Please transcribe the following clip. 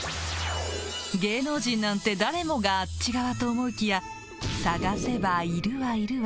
芸能人なんて誰もがあっち側と思いきや探せば、いるわいるわ。